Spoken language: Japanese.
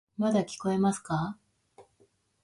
まだ聞こえていますか？